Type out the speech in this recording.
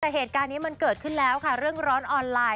แต่เหตุการณ์นี้มันเกิดขึ้นแล้วค่ะเรื่องร้อนออนไลน